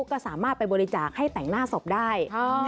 ก็สามารถไปบริจาคให้แต่งหน้าศพได้